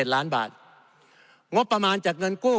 ๑๓๐๐๐๒๑ล้านบาทงบประมาณจากเงินกู้